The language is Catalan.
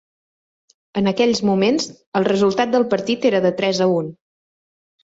En aquells moments, el resultat del partit era de tres a un.